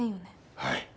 はい。